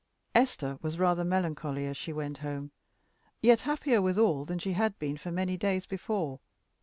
Esther was rather melancholy as she went home, yet happier withal than she had been for many days before.